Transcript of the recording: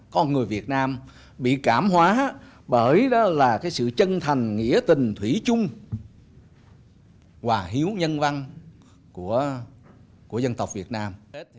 con người việt nam bị cảm hóa bởi sự chân thành nghĩa tình thủy chung và hữu nhân văn của dân tộc việt nam